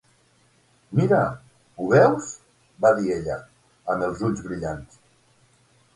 "Mira! Ho veus?", va dir ella, amb els ulls brillants.